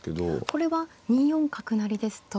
これは２四角成ですと。